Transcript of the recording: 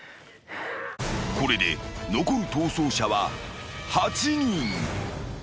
［これで残る逃走者は８人］